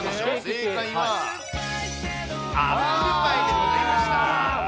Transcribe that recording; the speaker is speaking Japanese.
正解は、アップルパイでございました。